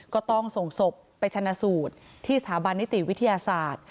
ก็ต้องส่งศพไปชนะสูตรที่สถาบันนิติวิทยาศาสตร์